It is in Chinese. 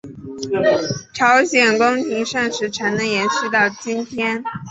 朝鲜宫廷膳食才能延续到今天。